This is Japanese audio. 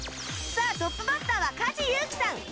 さあトップバッターは梶裕貴さん